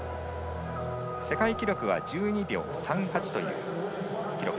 世界記録は１２秒３８という記録。